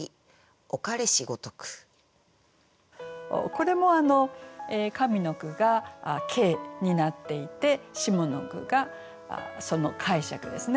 これも上の句が「景」になっていて下の句がその解釈ですね。